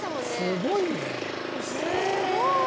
すごい！